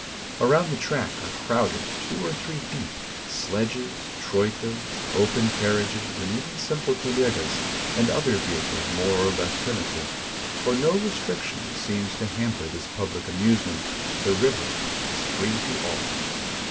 Around the track are crowded, two or three deep, sledges, troikas, open carriages, and even simple telegas, and other vehicles more or less primitive ; for no restriction seems to hamper this public amusement: the river is free to all.